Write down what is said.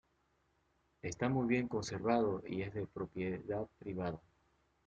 Está muy bien conservado, y es de propiedad privada.